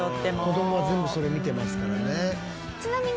子供は全部それ見てますからね。